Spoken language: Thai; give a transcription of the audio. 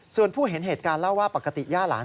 ส่วนผู้เห็นเหตุการณ์เล่าว่าปกติย่าหลาน